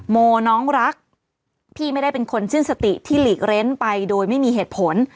โมน้องรักพี่ไม่ได้เป็นคนชื่นสติที่หลีกเล้นไปโดยไม่มีเหตุผล